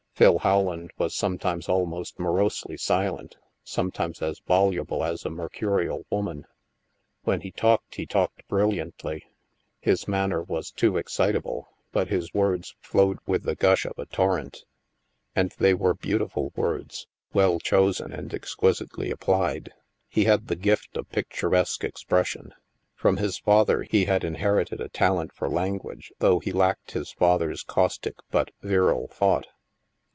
Phil How land was sometimes almost morosely silent, some times as voluble as a mercurial woman. When he talked, he talked brilliantly. His manner was too excitable, but his words flowed with the gush of a torrent. And they were beautiful words, well chosen and exquisitely applied. He had the gift of picturesque expression. From his father he had in herited a talent for language, though he lacked his father's caustic, but virile, thought.